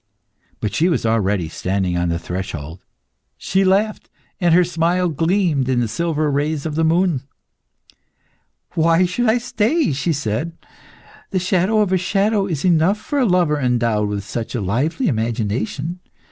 But she was already standing on the threshold. She laughed, and her smile gleamed in the silver rays of the moon. "Why should I stay?" she said. "The shadow of a shadow is enough for a lover endowed with such a lively imagination.